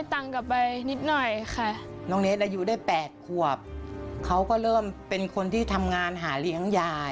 ทั้งที่เรายังเด็กที่เดิน